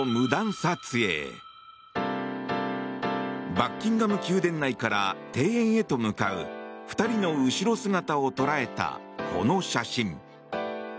バッキンガム宮殿内から庭園へと向かう２人の後ろ姿を捉えた、この写真。